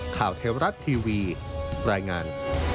เทวรัฐทีวีรายงาน